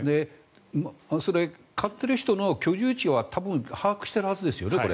それを買っている人の居住地は多分、これは把握しているはずですよね。